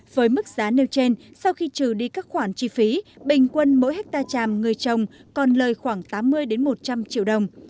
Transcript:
với mức giá nêu trên sau khi trừ đi các khoản chi phí bình quân mỗi hectare chàm người chồng còn lời khoảng tám mươi một trăm linh triệu đồng